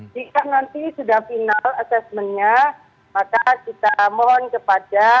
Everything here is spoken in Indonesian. jika nanti sudah final assessmentnya maka kita mohon kepada